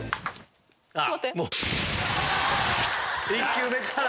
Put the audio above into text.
１球目から。